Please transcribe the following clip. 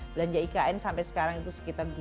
belanja ikn sampai sekarang itu sekitar dua puluh tahun